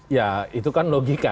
ya itu kan logika